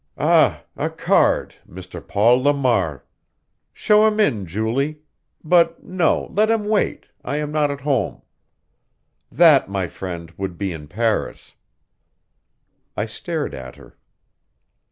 'Ah! A card! Mr. Paul Lamar. Show him in, Julie. But no, let him wait I am not at home.' That, my friend, would be in Paris." I stared at her.